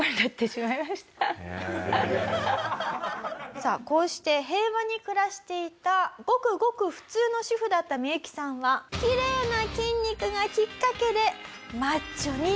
さあこうして平和に暮らしていたごくごく普通の主婦だったミユキさんはきれいな筋肉がきっかけでマッチョに目覚めてしまうんです。